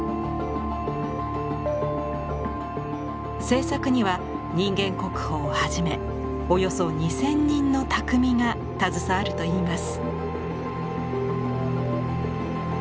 制作には人間国宝をはじめおよそ２，０００人の匠が携わるといいます。